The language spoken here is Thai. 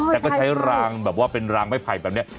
แต่ก็ใช้รางแบบว่าเป็นรางไม้ไผ่แบบนี้